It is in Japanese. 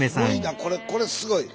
これこれすごい。